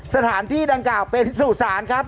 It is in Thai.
สถานที่ดังกล่าวเป็นสู่สารครับ